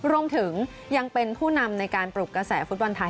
รวมถึงยังเป็นผู้นำในการปลุกกระแสฟุตบอลไทย